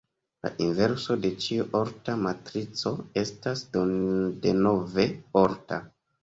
La inverso de ĉiu orta matrico estas denove orta.